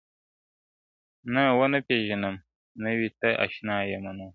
• نه ونه پېژنم نه وني ته اشنا یمه نور -